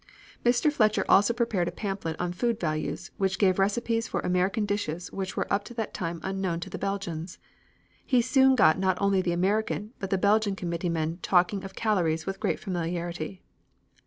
Mr. Fletcher also prepared a pamphlet on food values, which gave recipes for American dishes which were up to that time unknown to the Belgians. He soon got not only the American but the Belgian committeemen talking of calories with great familiarity.